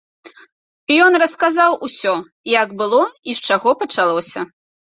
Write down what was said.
І ён расказаў усё, як было і з чаго пачалося.